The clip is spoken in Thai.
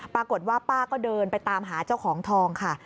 ปรากฏว่าป้าก็เดินไปตามหาเจ้าของทองค่ะ